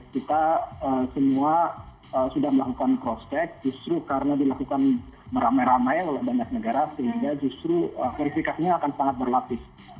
kita semua sudah melakukan cross check justru karena dilakukan meramai ramai oleh banyak negara sehingga justru verifikasinya akan sangat berlapis